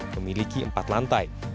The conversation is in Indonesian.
memiliki empat lantai